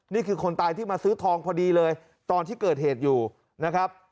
นี่คือคนตายที่มาซื้อทองพอดีเลยตอนที่เกิดเหตุอยู่นะครับ